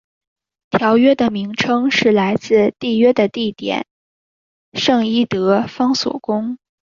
条约的名称来自缔约的地点圣伊德方索宫。